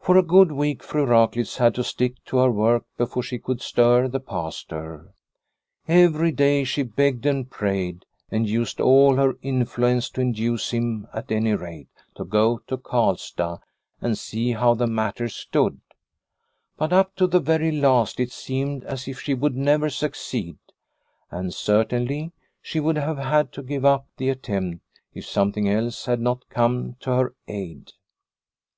For a good week Fru Raklitz had to stick to her work before she could stir the Pastor. Every day she begged and prayed and used all her influence to induce him, at any rate, to go A Spring Evening 2 1 1 to Karlstad and see how the matter stood. But up to the very last it seemed as if she would never succeed, and certainly she would have had to give up the attempt if something else had not come to her aid.